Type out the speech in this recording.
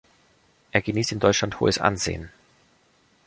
Er genießt in Deutschland hohes Ansehen.